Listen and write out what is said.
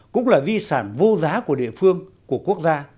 cũng là di sản vô giá của địa phương của quốc gia